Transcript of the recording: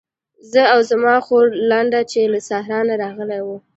زه او زما خورلنډه چې له صحرا نه راغلې وو.